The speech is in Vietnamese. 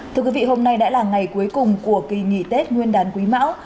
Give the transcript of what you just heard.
thưa quý vị hôm nay đã là ngày cuối cùng của kỳ nghỉ tết nguyên đán quý mão